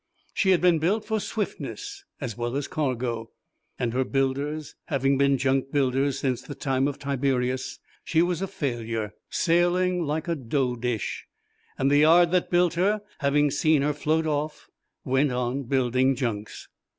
She had been built for swiftness as well as cargo and, her builders having been junk builders since the time of Tiberius, she was a failure, sailing like a dough dish; and the yard that built her, having seen her float off, went on building junks.